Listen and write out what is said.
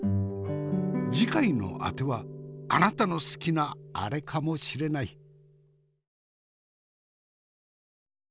次回のあてはあなたの好きなアレかもしれない。